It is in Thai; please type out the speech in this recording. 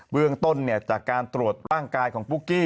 เบื้องต้นจากการตรวจร่างกายของปุ๊กกี้